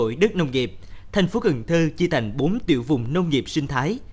đổi đất nông nghiệp thành phố cần thơ chia thành bốn tiểu vùng nông nghiệp sinh thái